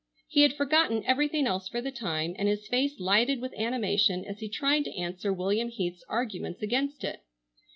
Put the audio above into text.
He had forgotten everything else for the time, and his face lighted with animation as he tried to answer William Heath's arguments against it.